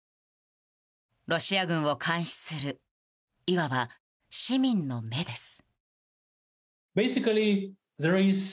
ロシア軍を監視するいわば市民の目です。